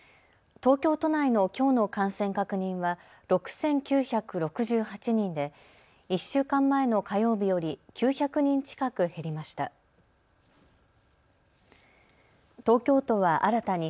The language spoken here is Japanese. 東京都内のきょうの感染確認は６９６８人で１週間前の火曜日より９００人近く減りました。